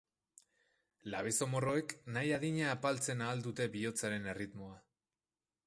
Labezomorroek nahi adina apaltzen ahal dute bihotzaren erritmoa.